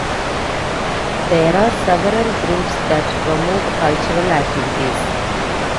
There are several groups that promote cultural activities.